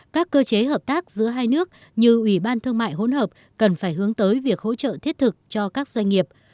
các cơ chế hợp tác giữa hai nước như ủy ban thương mại hỗn hợp cần phải hướng tới việc hỗ trợ thiết thực cho các doanh nghiệp